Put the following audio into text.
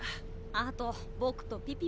あと僕とピピもね。